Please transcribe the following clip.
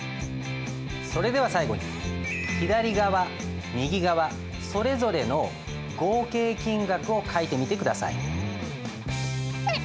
それでは最後に左側右側それぞれの合計金額を書いてみて下さい。